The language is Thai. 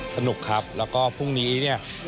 สนุกครับแล้วก็พรุ่งนี้เนี่ย